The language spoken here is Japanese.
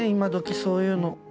そういうの。